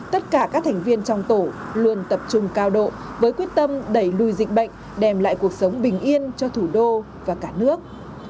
tất cả các thành viên trong tổ luôn tập trung cao độ với quyết tâm đẩy lùi dịch bệnh đem lại cuộc sống bình yên cho thủ đô và cả nước